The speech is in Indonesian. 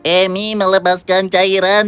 amy melepaskan cairan